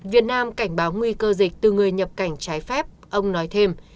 việt nam cảnh báo nguy cơ dịch từ người nhập cảnh trái phép ông nói thêm